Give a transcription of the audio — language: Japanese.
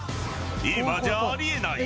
今じゃあり得ない！